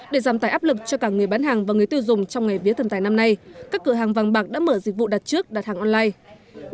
để giảm tải áp lực cho cả người bán hàng và người tiêu dùng trong ngày vía thần tài năm nay các cửa hàng vàng bạc đã mở dịch vụ đặt trước đặt hàng online